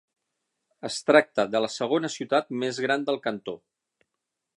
Es tracta de la segona ciutat més gran del cantó.